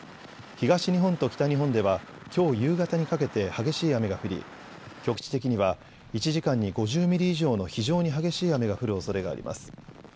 東日本と北日本ではきょう夕方にかけて激しい雨が降り、局地的には１時間に５０ミリ以上の非常に激しい雨が降るおそれがあります。